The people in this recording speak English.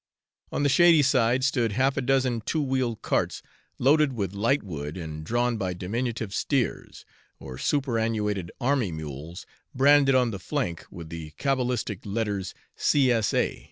On the shady side stood half a dozen two wheeled carts, loaded with lightwood and drawn by diminutive steers, or superannuated army mules branded on the flank with the cabalistic letters "C. S. A.